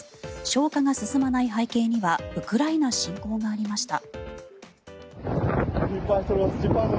消火が進まない背景にはウクライナ侵攻がありました。